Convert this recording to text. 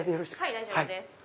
はい大丈夫です。